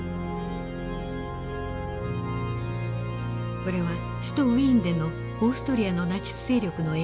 これは首都ウィーンでのオーストリアのナチス勢力の映像です。